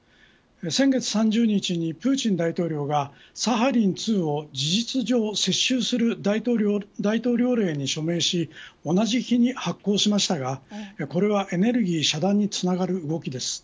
先月３０日に、プーチン大統領がサハリン２を事実上接収する大統領令に署名し同じ日に発効しましたがこれはエネルギー遮断につながる動きです。